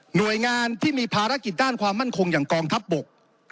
หน่วยงานที่มีภารกิจด้านความมั่นคงอย่างกองทัพบก